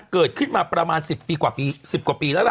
เกิดขึ้นมาประมาณ๑๐ปีกว่า๑๐กว่าปีแล้วล่ะ